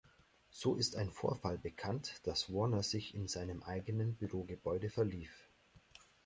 So ist ein Vorfall bekannt, dass Warner sich in seinem eigenen Bürogebäude verlief.